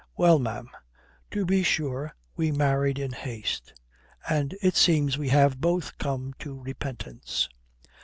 "Well, ma'am, to be sure we married in haste, and it seems we have both come to repentance.